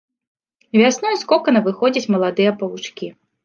Вясной з кокана выходзяць маладыя павучкі.